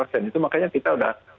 itu makanya kita sudah